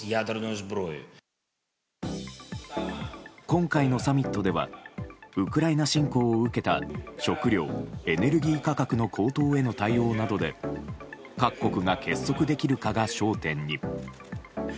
今回のサミットではウクライナ侵攻を受けた食料・エネルギー価格の高騰への対応などで各国が結束できるかが焦点に。